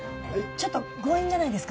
ちょっと強引じゃないですか？